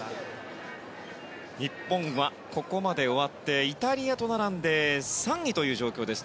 日本はここまで終わってイタリアと並んで３位という状況です。